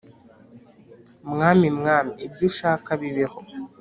'mwami mwami, ibyo ushaka bibeho!'